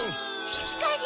しっかり！